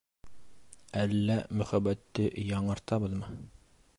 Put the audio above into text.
Әллә мөхәббәтте яңыртабыҙмы?